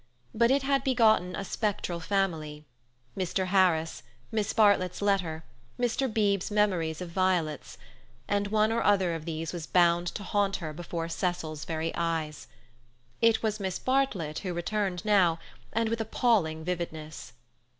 But it had begotten a spectral family—Mr. Harris, Miss Bartlett's letter, Mr. Beebe's memories of violets—and one or other of these was bound to haunt her before Cecil's very eyes. It was Miss Bartlett who returned now, and with appalling vividness.